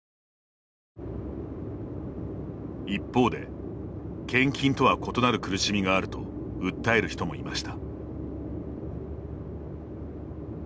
一方で献金とは異なる苦しみがあると訴える人もいました。